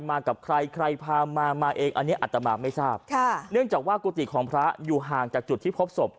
กับใครใครพามามาเองอันนี้อัตมาไม่ทราบค่ะเนื่องจากว่ากุฏิของพระอยู่ห่างจากจุดที่พบศพ